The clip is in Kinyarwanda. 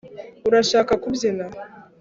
urashaka kubyina